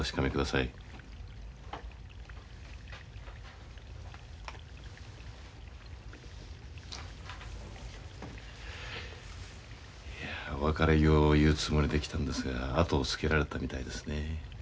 いやお別れを言うつもりで来たんですが後をつけられたみたいですねえ。